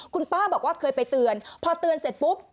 คุณป้าบอกว่าเคยไปเตือนพอเตือนเสร็จปุ๊บ